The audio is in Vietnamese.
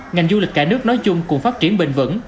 ngành du lịch cả nước nói chung cùng phát triển bền vững